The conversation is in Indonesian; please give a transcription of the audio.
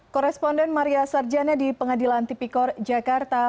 koresponden maria sarjana di pengadilan tipikor jakarta